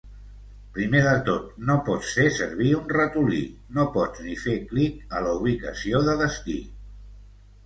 Primer de tot, no pots fer servir un ratolí, no pots ni fer clic a la ubicació de destí.